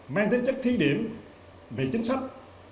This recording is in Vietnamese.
mang tính chất thi điểm về chính sách